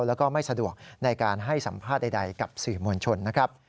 แล้วก็ไม่สะดวกในการให้สัมภาษณ์ใดกับสื่อมวลชนนะครับ